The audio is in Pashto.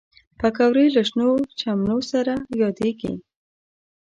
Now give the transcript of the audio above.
پکورې له شنو چمنو سره یادېږي